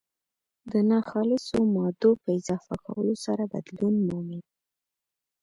د ناخالصو مادو په اضافه کولو سره بدلون مومي.